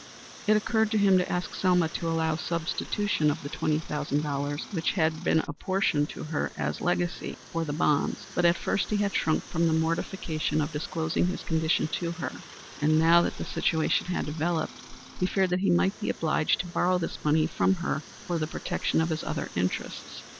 It occurred to him to ask Selma to allow substitution of the twenty thousand dollars, which had been apportioned, to her as her legacy, for the bonds, but at first he had shrunk from the mortification of disclosing his condition to her, and now that the situation had developed, he feared that he might be obliged to borrow this money from her for the protection of his other interests.